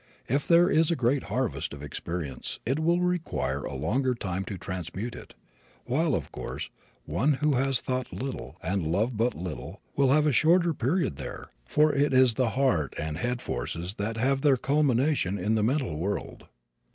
If there is a great harvest of experience it will require a longer time to transmute it, while, of course, one who has thought little and loved but little will have a shorter period there, for it is the heart and head forces that have their culmination in the mental world.